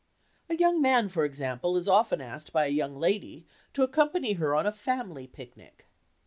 A young man, for example, is often asked by a young lady to accompany her on a "family picnic."